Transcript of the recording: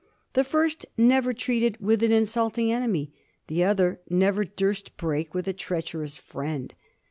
The first never treated with an insulting enemy; the other never durst break with a treacherous friend.